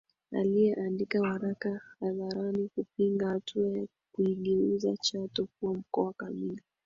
aliyeandika waraka hadharani kupinga hatua ya kuigeuza Chato kuwa mkoa kamili